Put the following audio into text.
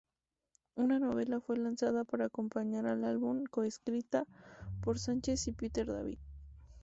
Una novela fue lanzada para acompañar al álbum, co-escrita por Sánchez y Peter David.